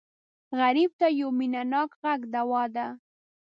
غریب ته یو مینهناک غږ دوا ده